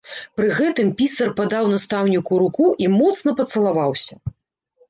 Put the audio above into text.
Пры гэтым пісар падаў настаўніку руку і моцна пацалаваўся.